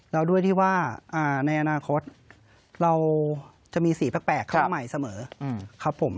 แล้วด้วยที่ว่าในอนาคตเราจะมีสีแปลกขึ้นใหม่เสมอครับผม